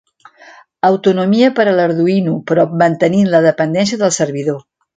Autonomia per a l'Arduino, però mantenint la dependència del servidor.